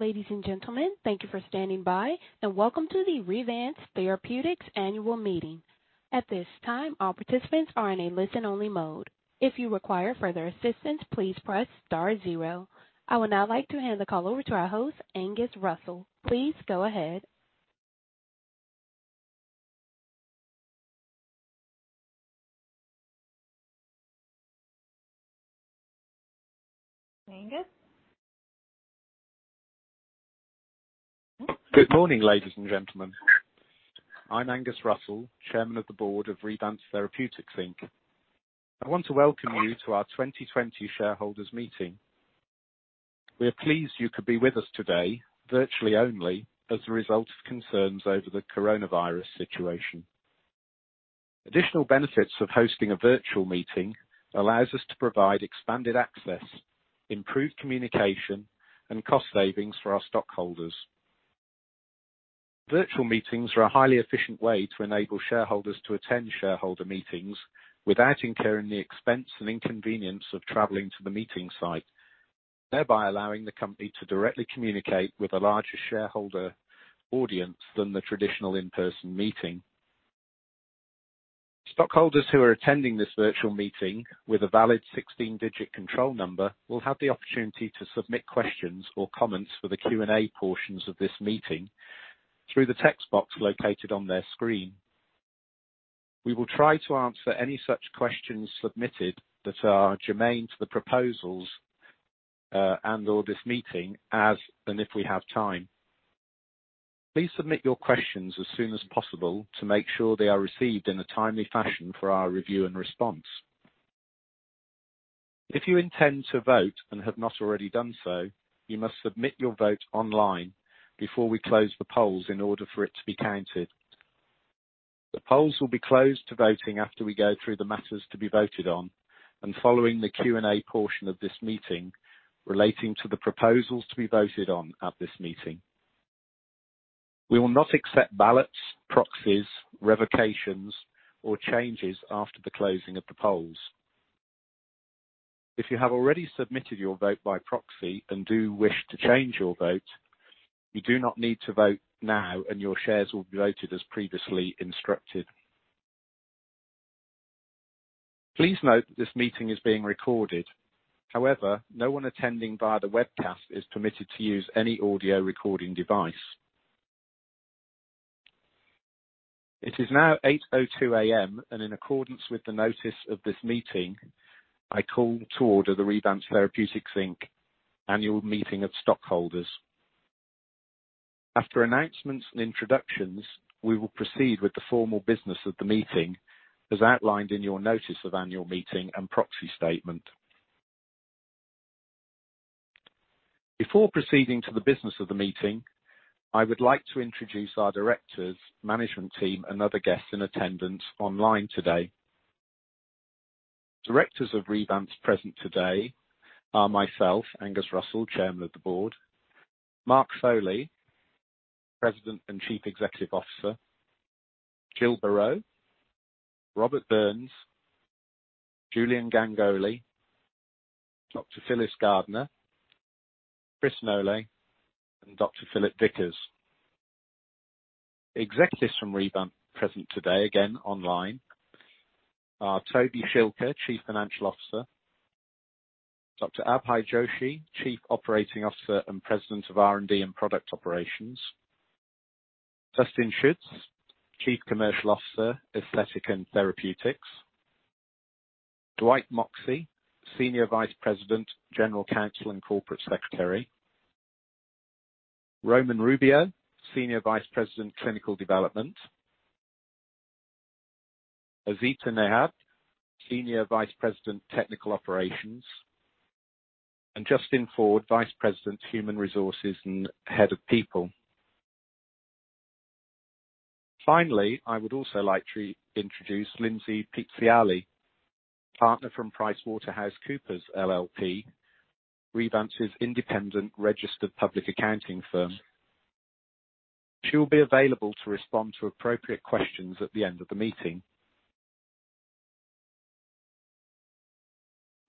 Ladies and gentlemen, thank you for standing by, and welcome to the Revance Therapeutics Annual Meeting. At this time, all participants are in a listen-only mode. If you require further assistance, please press star zero. I would now like to hand the call over to our host, Angus Russell. Please go ahead. Angus? Good morning, ladies and gentlemen. I'm Angus Russell, Chairman of the Board of Revance Therapeutics, Inc. I want to welcome you to our 2020 shareholders meeting. We are pleased you could be with us today, virtually only, as a result of concerns over the coronavirus situation. Additional benefits of hosting a virtual meeting allows us to provide expanded access, improved communication, and cost savings for our stockholders. Virtual meetings are a highly efficient way to enable shareholders to attend shareholder meetings without incurring the expense and inconvenience of traveling to the meeting site, thereby allowing the company to directly communicate with a larger shareholder audience than the traditional in-person meeting. Stockholders who are attending this virtual meeting with a valid 16-digit control number will have the opportunity to submit questions or comments for the Q&A portions of this meeting through the text box located on their screen. We will try to answer any such questions submitted that are germane to the proposals, and/or this meeting as and if we have time. Please submit your questions as soon as possible to make sure they are received in a timely fashion for our review and response. If you intend to vote, and have not already done so, you must submit your vote online before we close the polls in order for it to be counted. The polls will be closed to voting after we go through the matters to be voted on and following the Q&A portion of this meeting relating to the proposals to be voted on at this meeting. We will not accept ballots, proxies, revocations, or changes after the closing of the polls. If you have already submitted your vote by proxy and do wish to change your vote, you do not need to vote now, and your shares will be voted as previously instructed. Please note that this meeting is being recorded. However, no one attending via the webcast is permitted to use any audio recording device. It is now 8:00 A.M., and in accordance with the Notice of this Meeting, I call to order the Revance Therapeutics, Inc. Annual Meeting of Stockholders. After announcements and introductions, we will proceed with the formal business of the meeting, as outlined in your Notice of Annual Meeting and Proxy Statement. Before proceeding to the business of the meeting, I would like to introduce our directors, management team and other guests in attendance online today. Directors of Revance present today are myself, Angus Russell, Chairman of the Board. Mark Foley, President and Chief Executive Officer. Jill Beraud, Robert Byrnes, Julian Gangolli, Dr. Phyllis Gardner, Chris Nolet, and Dr. Philip Vickers. Executives from Revance present today, again, online, are Tobin Schilke, Chief Financial Officer. Dr. Abhay Joshi, Chief Operating Officer and President of R&D and Product Operations. Dustin Sjuts, Chief Commercial Officer, Aesthetics and Therapeutics. Dwight Moxie, Senior Vice President, General Counsel, and Corporate Secretary. Roman Rubio, Senior Vice President, Clinical Development. Azita Nejad, Senior Vice President, Technical Operations, and Justin Ford, Vice President, Human Resources, and Head of People. Finally, I would also like to introduce Lindsay Piccialli, partner from PricewaterhouseCoopers, LLP, Revance's independent registered public accounting firm. She will be available to respond to appropriate questions at the end of the meeting.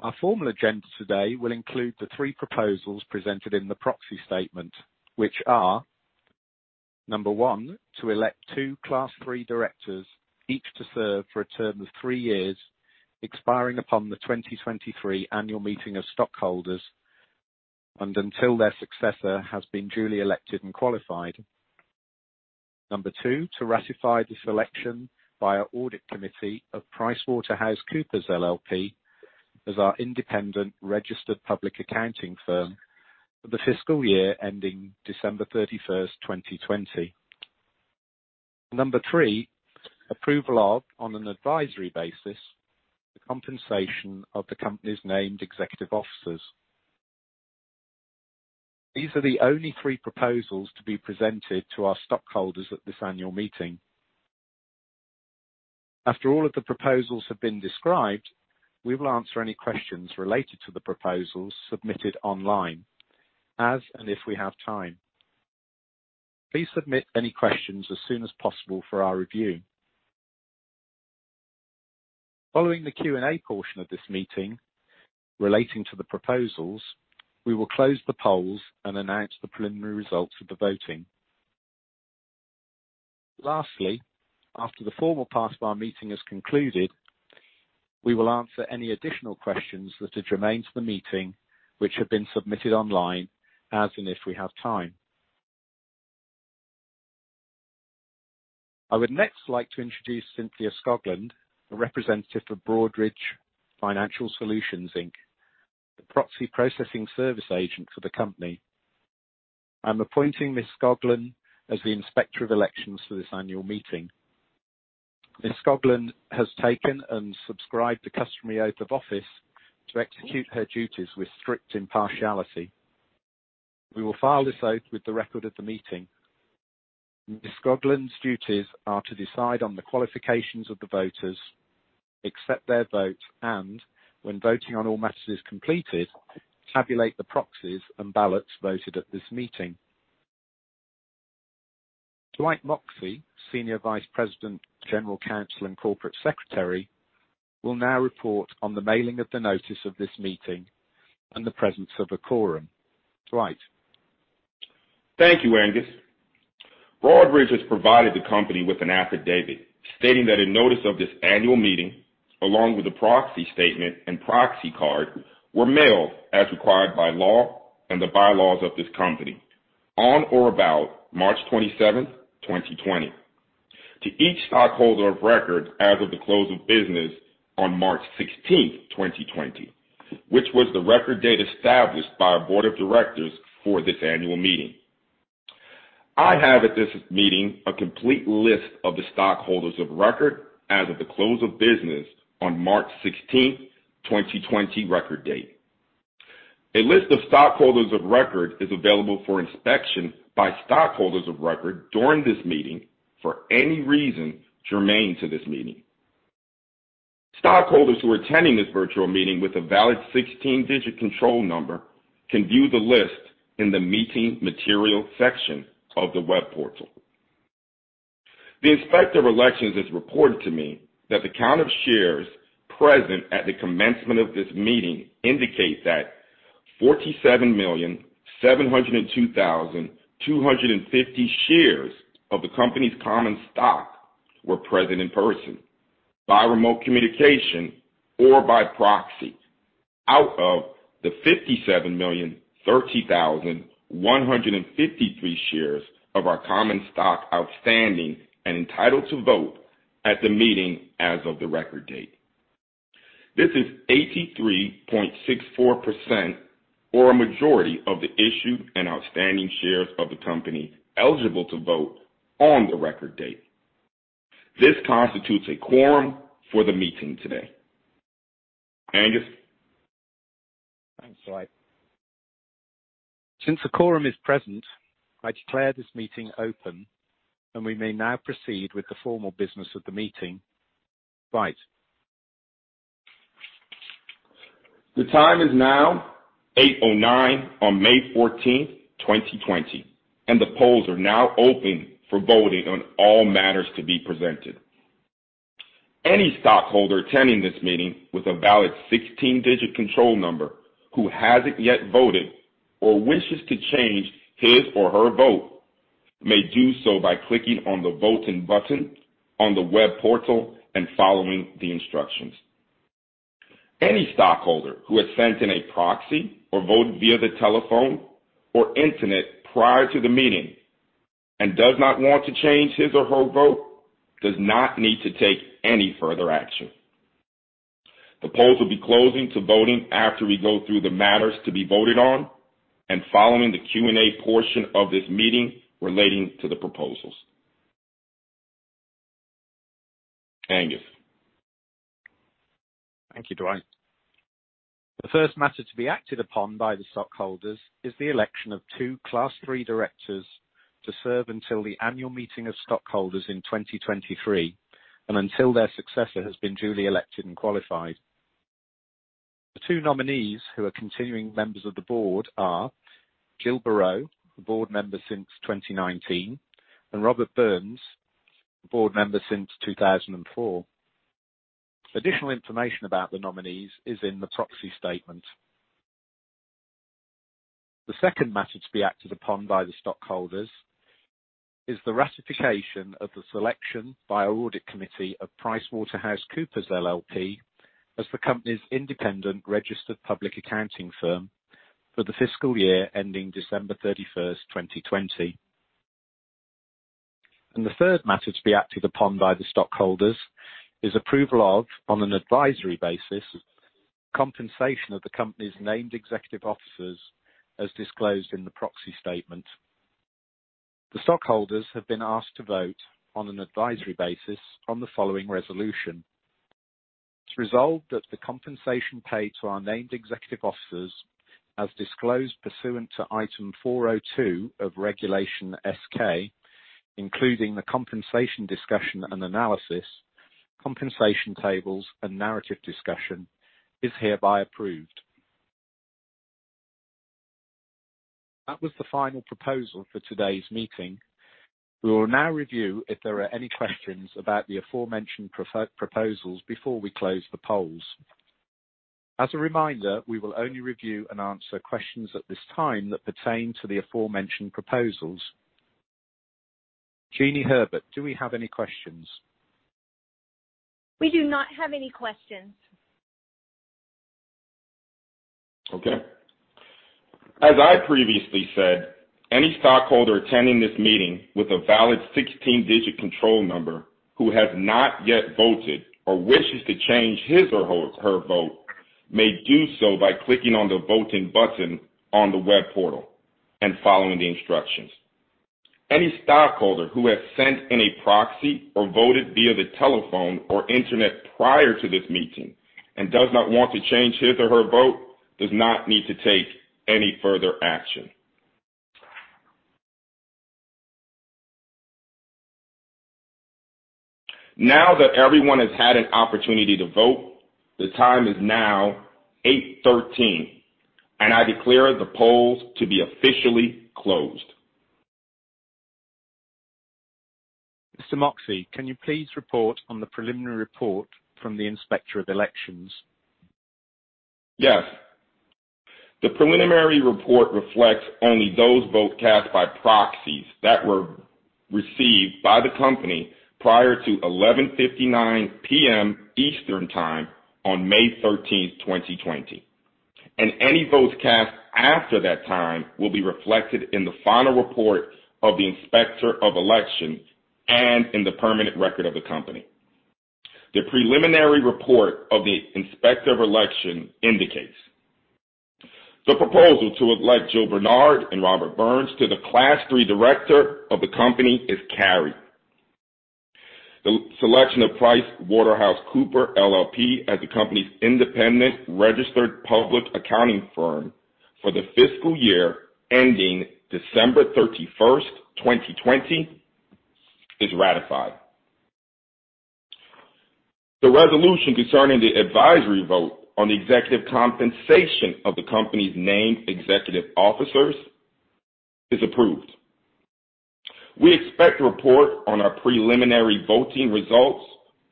Our formal agenda today will include the three proposals presented in the proxy statement, which are, number one, to elect two Class III directors, each to serve for a term of three years, expiring upon the 2023 annual meeting of stockholders, and until their successor has been duly elected and qualified. Number two, to ratify the selection by our audit committee of PricewaterhouseCoopers LLP as our independent registered public accounting firm for the fiscal year ending December 31, 2020. Number three, approval of, on an advisory basis, the compensation of the company's named executive officers. These are the only three proposals to be presented to our stockholders at this annual meeting. After all of the proposals have been described, we will answer any questions related to the proposals submitted online, as and if we have time. Please submit any questions as soon as possible for our review. Following the Q&A portion of this meeting relating to the proposals, we will close the polls and announce the preliminary results of the voting. Lastly, after the formal part of our meeting is concluded, we will answer any additional questions that are germane to the meeting, which have been submitted online, as and if we have time. I would next like to introduce Cynthia Scotland, a representative for Broadridge Financial Solutions, Inc., the proxy processing service agent for the company. I'm appointing Ms. Scotland as the Inspector of Elections for this annual meeting. Ms. Scotland has taken and subscribed the customary oath of office to execute her duties with strict impartiality. We will file this oath with the record of the meeting. Ms. Scotland's duties are to decide on the qualifications of the voters, accept their vote, and when voting on all matters is completed, tabulate the proxies and ballots voted at this meeting. Dwight Moxie, Senior Vice President, General Counsel, and Corporate Secretary, will now report on the mailing of the notice of this meeting and the presence of a quorum. Dwight. Thank you, Angus. Broadridge has provided the company with an affidavit stating that a notice of this annual meeting, along with the proxy statement and proxy card, were mailed as required by law and the bylaws of this company on or about March 27, 2020, to each stockholder of record as of the close of business on March 16, 2020, which was the record date established by our board of directors for this annual meeting. I have at this meeting a complete list of the stockholders of record as of the close of business on March 16, 2020, record date. A list of stockholders of record is available for inspection by stockholders of record during this meeting for any reason germane to this meeting. Stockholders who are attending this virtual meeting with a valid 16-digit control number can view the list in the meeting material section of the web portal. The Inspector of Elections has reported to me that the count of shares present at the commencement of this meeting indicate that 47,702,250 shares of the company's common stock were present in person, by remote communication or by proxy, out of the 57,030,153 shares of our common stock outstanding and entitled to vote at the meeting as of the record date. This is 83.64% or a majority of the issued and outstanding shares of the company eligible to vote on the record date. This constitutes a quorum for the meeting today. Angus? Thanks, Dwight. Since a quorum is present, I declare this meeting open, we may now proceed with the formal business of the meeting. Dwight. The time is now 8:09 on May 14th, 2020, and the polls are now open for voting on all matters to be presented. Any stockholder attending this meeting with a valid 16-digit control number who hasn't yet voted or wishes to change his or her vote may do so by clicking on the voting button on the web portal and following the instructions. Any stockholder who has sent in a proxy or voted via the telephone or internet prior to the meeting and does not want to change his or her vote does not need to take any further action. The polls will be closing to voting after we go through the matters to be voted on and following the Q&A portion of this meeting relating to the proposals. Angus. Thank you, Dwight. The first matter to be acted upon by the stockholders is the election of two class 3 directors to serve until the annual meeting of stockholders in 2023 and until their successor has been duly elected and qualified. The two nominees who are continuing members of the board are Jill Beraud, a board member since 2019, and Robert Byrnes, a board member since 2004. Additional information about the nominees is in the proxy statement. The second matter to be acted upon by the stockholders is the ratification of the selection by our audit committee of PricewaterhouseCoopers LLP as the company's independent registered public accounting firm for the fiscal year ending December 31st, 2020. The third matter to be acted upon by the stockholders is approval of, on an advisory basis, compensation of the company's named executive officers as disclosed in the proxy statement. The stockholders have been asked to vote on an advisory basis on the following resolution. It's resolved that the compensation paid to our named executive officers, as disclosed pursuant to Item 402 of Regulation S-K, including the compensation discussion and analysis, compensation tables, and narrative discussion, is hereby approved. That was the final proposal for today's meeting. We will now review if there are any questions about the aforementioned proposals before we close the polls. As a reminder, we will only review and answer questions at this time that pertain to the aforementioned proposals. Jeanie Herbert, do we have any questions? We do not have any questions. Okay. As I previously said, any stockholder attending this meeting with a valid 16-digit control number who has not yet voted or wishes to change his or her vote may do so by clicking on the voting button on the web portal and following the instructions. Any stockholder who has sent in a proxy or voted via the telephone or internet prior to this meeting and does not want to change his or her vote does not need to take any further action. Now that everyone has had an opportunity to vote, the time is now 8:13 A.M., and I declare the polls to be officially closed. Mr. Moxie, can you please report on the preliminary report from the Inspector of Elections? Yes. The preliminary report reflects only those votes cast by proxies that were received by the company prior to 11:59 P.M. Eastern Time on May 13, 2020. Any votes cast after that time will be reflected in the final report of the Inspector of Elections and in the permanent record of the company. The preliminary report of the Inspector of Election indicates the proposal to elect Jill Beraud and Robert Byrnes to the class 3 director of the company is carried. The selection of PricewaterhouseCoopers LLP as the company's independent registered public accounting firm for the fiscal year ending December 31st, 2020 is ratified. The resolution concerning the advisory vote on the executive compensation of the company's named executive officers is approved. We expect to report on our preliminary voting results,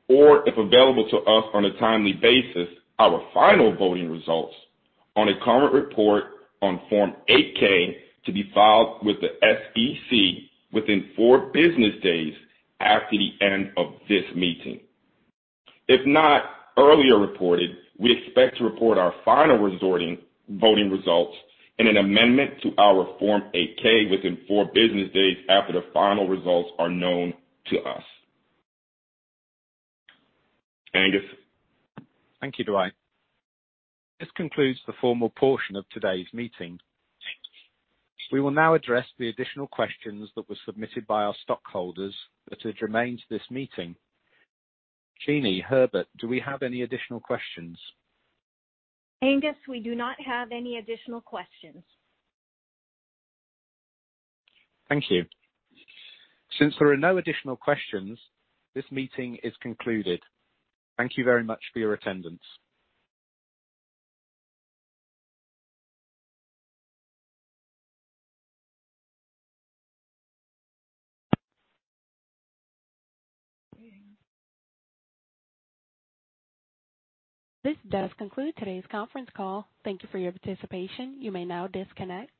or if available to us on a timely basis, our final voting results on a current report on Form 8-K to be filed with the SEC within four business days after the end of this meeting. If not earlier reported, we expect to report our final voting results in an amendment to our Form 8-K within four business days after the final results are known to us. Angus? Thank you, Dwight. This concludes the formal portion of today's meeting. We will now address the additional questions that were submitted by our stockholders that are germane to this meeting. Jeanie Herbert, do we have any additional questions? Angus, we do not have any additional questions. Thank you. Since there are no additional questions, this meeting is concluded. Thank you very much for your attendance. This does conclude today's conference call. Thank you for your participation. You may now disconnect.